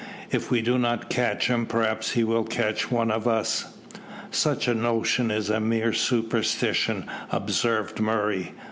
"If we do not catch him, perhaps he will catch one of us." "Such a notion is a mere superstition," observed Murray.